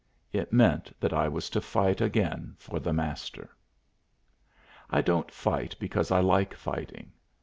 It meant that I was to fight again for the Master. I don't fight because I like fighting.